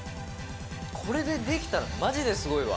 「これでできたらマジですごいわ」